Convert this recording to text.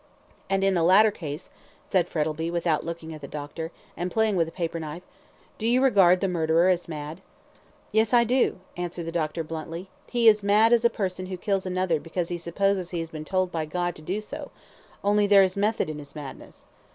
"And in the latter case," said Frettlby, without looking at the doctor, and playing with a paper knife, "do you regard the murderer as mad?" "Yes, I do," answered the doctor, bluntly. "He is as mad as a person who kills another because he supposes he has been told by God to do so only there is method in his madness.